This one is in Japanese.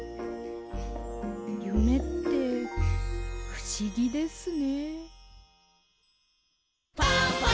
ゆめってふしぎですね。